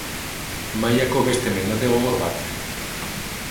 Mailako beste mendate gogor bat.